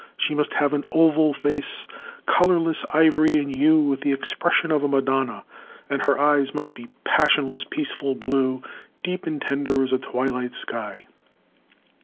She must have an oval face, colourless ivory in hue, with the expression of a Madonna; and her eyes must be 'passionless, peaceful blue,' deep and tender as a twilight sky."